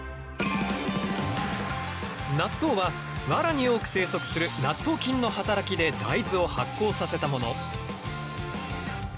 納豆はワラに多く生息する納豆菌の働きで大豆を発酵させたもの。